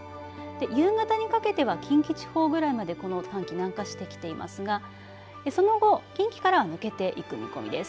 夕方にかけては近畿地方くらいまで寒気南下してきていますがその後、近畿から抜けていく見込みです。